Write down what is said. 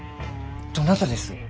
どなたです？